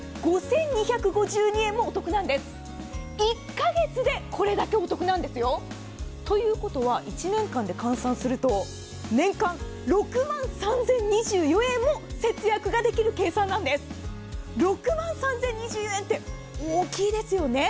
１カ月でこれだけお得なんですよ。ということは１年間で換算すると年間６万３０２４円も節約できる計算で６万３０２４円って大きいですよね。